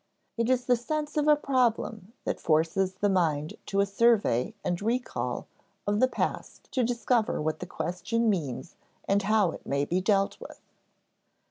It is the sense of a problem that forces the mind to a survey and recall of the past to discover what the question means and how it may be dealt with.